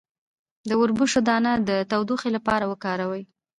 د وربشو دانه د تودوخې لپاره وکاروئ